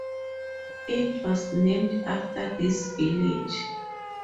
It was named after this village.